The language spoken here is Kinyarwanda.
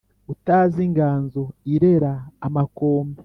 utazi inganzo irera amakombe